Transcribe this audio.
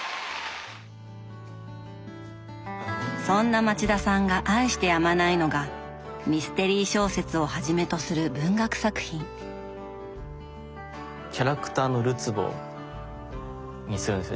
そんな町田さんが愛してやまないのがミステリー小説をはじめとする文学作品。にするんですよ